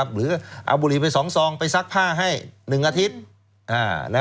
หรือเอาบุหรี่ไป๒ซองไปซักผ้าให้๑อาทิตย์